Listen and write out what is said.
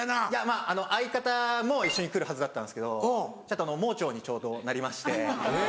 まぁ相方も一緒に来るはずだったんですけど盲腸にちょうどなりまして。